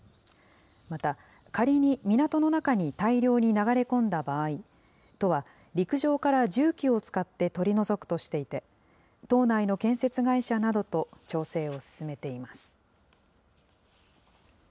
また、仮に港の中に大量に流れ込んだ場合、都は陸上から重機を使って取り除くとしていて、島内の建設会社などと調整を進めています。